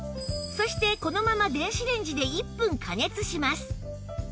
そしてこのまま電子レンジで１分加熱します